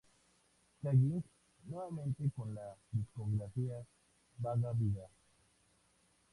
Calling", nuevamente con la discografía "Baga-Biga".